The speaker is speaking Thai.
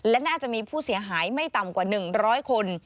และน่าจะมีผู้เสียหายไม่ต่ำกว่า๑๐๐คน